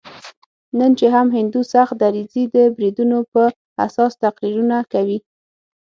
نن چې هم هندو سخت دریځي د بریدونو په اساس تقریرونه کوي.